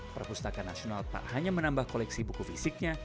perpustakaan nasional tak hanya menambah koleksi buku fisiknya